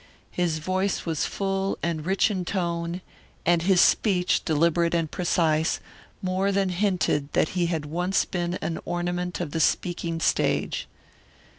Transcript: His voice was full and rich in tone, and his speech, deliberate and precise, more than hinted that he had once been an ornament of the speaking stage.